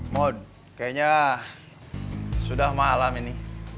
mode kayaknya sudah malam ini